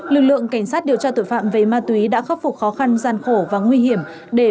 lực lượng cảnh sát điều tra tội phạm về ma túy đã khắc phục khó khăn gian khổ và nguy hiểm